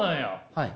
はい。